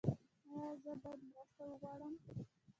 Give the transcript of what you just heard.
ایا زه باید مرسته وغواړم؟